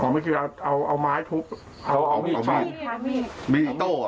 มันกินแหละเอาไม้ทุบเอานี่มีอีโต้